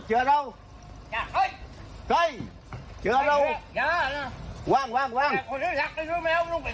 พูดกันแม่ง